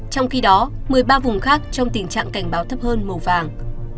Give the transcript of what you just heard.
trong khi đó một mươi ba vùng khác trong tình trạng cảnh báo thấp hơn màu vàng